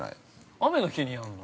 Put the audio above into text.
◆雨の日にやんの？